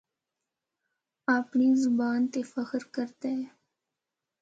آپڑی زبان تے فخر کردا اے۔